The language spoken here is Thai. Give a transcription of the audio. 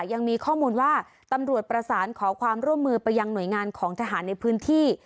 ยังมีข้อมูลว่าตำรวจประสานขอความร่วมมือไปยังหน่วยงานของทหารในพื้นที่